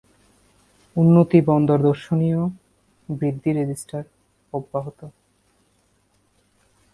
উন্নতি বন্দর দর্শনীয় বৃদ্ধি রেজিস্টার অব্যাহত।